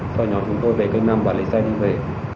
sau nhỏ chúng tôi về cây nằm và lấy xe đi về